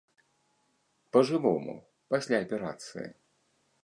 Па жывому, пасля аперацыі.